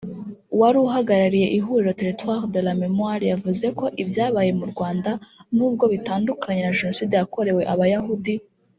wari uhagarariye Ihuriro « Territoires de la Mémoire » yavuze ko ibyabaye mu Rwanda nubwo bitandukanye na Jenoside yakorewe Abayahudi